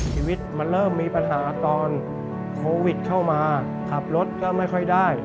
ชีวิตมันเริ่มมีปัญหาตอนโควิดเข้ามาขับรถก็ไม่ค่อยได้